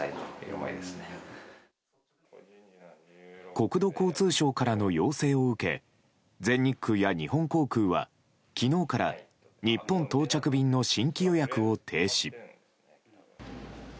国土交通省からの要請を受け全日空や日本航空は昨日から日本到着便の新規予約を停止。